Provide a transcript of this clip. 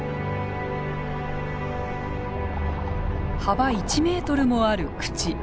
幅１ｍもある口。